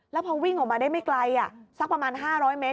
แล้วพอวิ่งออกมาได้ไม่ไกลสักประมาณ๕๐๐เมตร